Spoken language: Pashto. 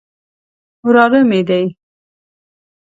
وراره مې دی.